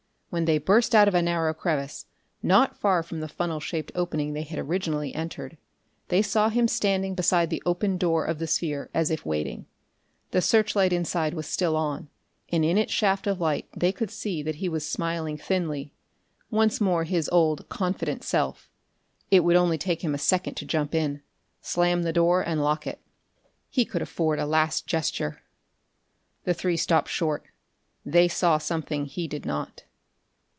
When they burst out of a narrow crevice, not far from the funnel shaped opening they had originally entered, they saw him standing beside the open door of the sphere as if waiting. The searchlight inside was still on, and in its shaft of light they could see that he was smiling thinly, once more his old, confident self. It would only take him a second to jump in, slam the door and lock it. He could afford a last gesture.... The three stopped short. They saw something he did not.